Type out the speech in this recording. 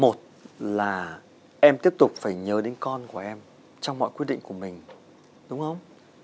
một là em tiếp tục phải nhờ đến con của em trong mọi quyết định của mình đúng không